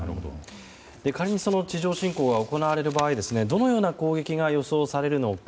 仮に地上侵攻でどのような攻撃が予想されるのか。